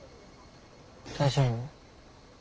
大丈夫？